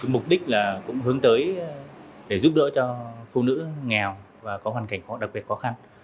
mục đích là cũng hướng tới để giúp đỡ cho phụ nữ nghèo và có hoàn cảnh đặc biệt khó khăn